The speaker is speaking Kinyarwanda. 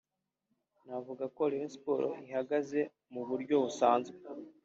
Navuga ko Rayon Sports ihagaze mu buryo busanzwe